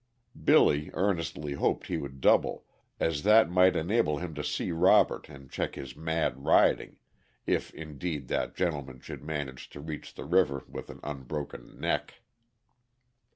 Billy earnestly hoped he would double, as that might enable him to see Robert and check his mad riding, if indeed that gentleman should manage to reach the river with an unbroken neck.